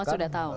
semua sudah tahu